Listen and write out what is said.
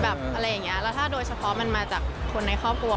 อะไรอย่างเงี้ยแล้วถ้าโดยเฉพาะมันมาจากคนในครอบครัว